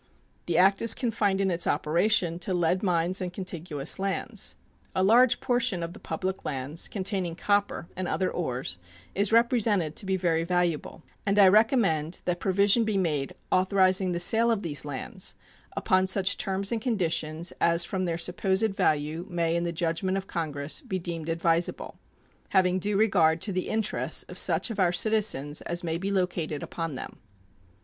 The act is confined in its operation to "lead mines and contiguous lands." A large portion of the public lands, containing copper and other ores, is represented to be very valuable, and I recommend that provision be made authorizing the sale of these lands upon such terms and conditions as from their supposed value may in the judgment of Congress be deemed advisable, having due regard to the interests of such of our citizens as may be located upon them.